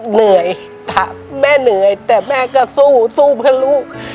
เหนื่อยถามแม่เหนื่อยแต่แม่ก็สู้สู้เพื่อลูก